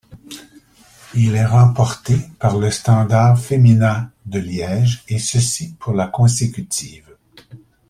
Il est remporté par le Standard Fémina de Liège, et ceci pour la consécutive.